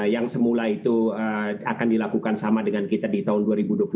yang semula itu akan dilakukan sama dengan kita di tauk